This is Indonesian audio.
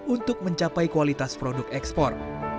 untuk mencapai kualitas produk ekspor